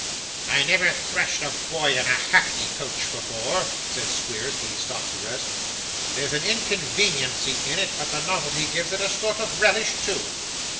'I never threshed a boy in a hackney coach before,' said Mr. Squeers, when he stopped to rest. 'There's inconveniency in it, but the novelty gives it a sort of relish, too!